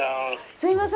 すいません。